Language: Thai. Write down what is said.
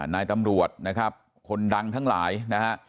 นายตำรวจนะครับคนดังทั้งหลายนะฮะ